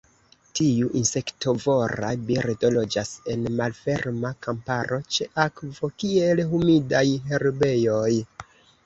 Tiu insektovora birdo loĝas en malferma kamparo ĉe akvo, kiel humidaj herbejoj.